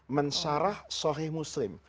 mensyarah sohih muslim